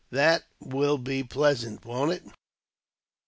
That will be pleasant, won't it?"